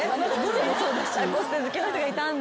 ラコステ好きの人がいたんだ。